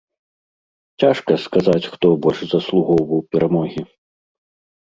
Цяжка сказаць, хто больш заслугоўваў перамогі.